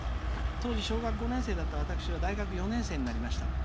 「当時、小学５年生だった私は大学４年生になりました。